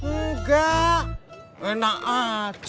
enggak enak aja